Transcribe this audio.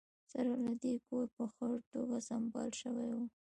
سره له دې کور په ښه توګه سمبال شوی و